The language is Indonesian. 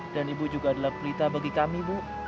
dan ibu juga adalah pelita bagi kami bu